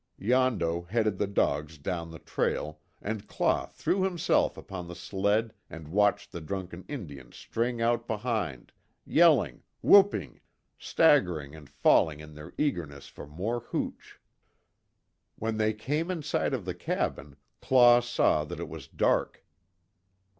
Yondo headed the dogs down the trail, and Claw threw himself upon the sled and watched the drunken Indians string out behind, yelling, whooping, staggering and falling in their eagerness for more hooch. When they came in sight of the cabin, Claw saw that it was dark.